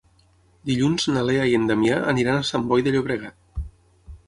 Dilluns na Lea i en Damià aniran a Sant Boi de Llobregat.